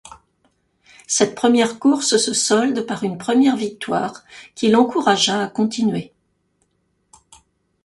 Cette première course se solde par une première victoire qui l'encouragea à continuer.